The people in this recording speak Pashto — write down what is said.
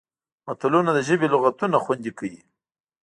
متلونه د ژبې لغتونه خوندي کوي